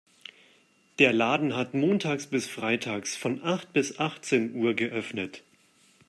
Der Laden hat montags bis freitags von acht bis achtzehn Uhr geöffnet.